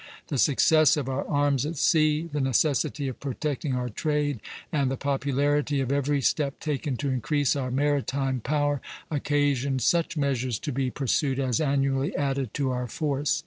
The success of our arms at sea, the necessity of protecting our trade, and the popularity of every step taken to increase our maritime power, occasioned such measures to be pursued as annually added to our force.